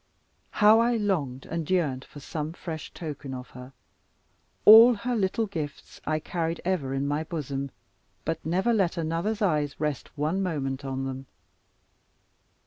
How I longed and yearned for some fresh token of her: all her little gifts I carried ever in my bosom, but never let another's eyes rest one moment on them.